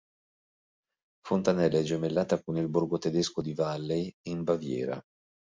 Fontanella è gemellata con il borgo tedesco di Valley, in Baviera.